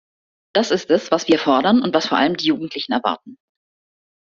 Das ist es, was wir fordern und was vor allem die Jugendlichen erwarten.